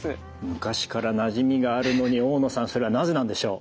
昔からなじみがあるのに大野さんそれはなぜなんでしょう？